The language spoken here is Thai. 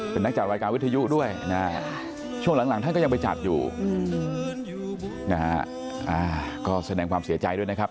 เป็นนักจัดรายการวิทยุด้วยนะช่วงหลังท่านก็ยังไปจัดอยู่นะฮะก็แสดงความเสียใจด้วยนะครับ